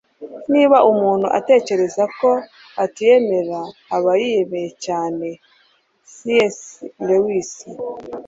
niba umuntu atekereza ko atiyemera, aba yiyemera cyane - c s lewis